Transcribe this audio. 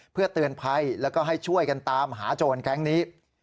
เพื่อเตือนภัยแล้วก็ให้ช่วยกันตามหาโจรแก๊งนี้